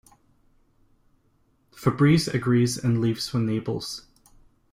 Fabrice agrees and leaves for Naples.